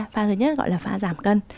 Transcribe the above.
pha thứ nhất gọi là pha giảm cân